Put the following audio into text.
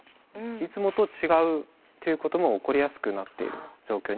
いつもと違うということも起こりやすくなっている状況にありますよね。